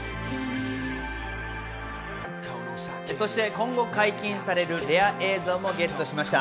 今後解禁されるレア映像もゲットしました。